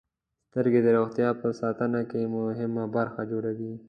• سترګې د روغتیا په ساتنه کې مهمه برخه جوړوي.